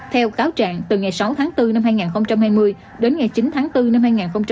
theo cáo trạng từ ngày sáu tháng bốn năm hai nghìn hai mươi đến ngày chín tháng bốn năm hai nghìn hai mươi